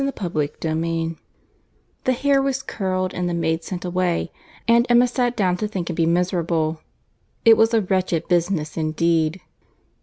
CHAPTER XVI The hair was curled, and the maid sent away, and Emma sat down to think and be miserable.—It was a wretched business indeed!